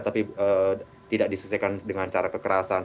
tapi tidak diselesaikan dengan cara kekerasan